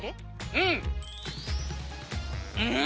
うん！